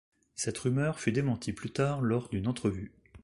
Cette rumeur fut démentie plus tard lors d'une entrevue.